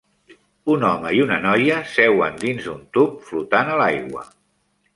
Un home i una noia seuen dins d'un tub flotant a l'aigua.